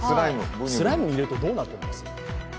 スライムに入れるとどなると思います？